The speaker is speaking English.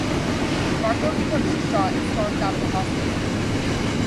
Marco becomes distraught and storms out of the hospital.